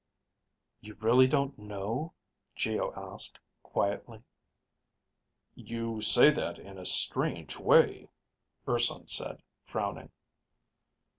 "You really don't know?" Geo asked, quietly. "You say that in a strange way," Urson said, frowning.